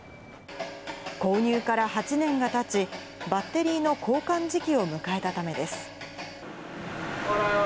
購入から８年がたち、バッテリーの交換時期を迎えたためです。